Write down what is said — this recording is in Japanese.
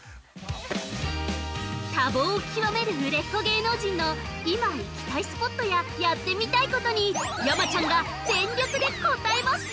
◆多忙を極める売れっ子芸能人の今行きたいスポットややってみたいことに山ちゃんが全力で応えます！